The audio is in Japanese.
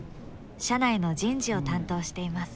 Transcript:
社内の人事を担当しています。